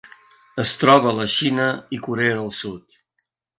Es troba a la Xina i Corea del Sud.